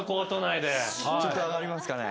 ちょっと上がりますかね？